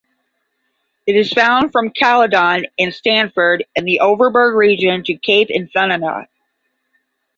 It is found from Caledon and Stanford in the Overberg region to Cape Infanta.